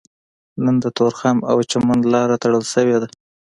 نن د تورخم او چمن لاره تړل شوې ده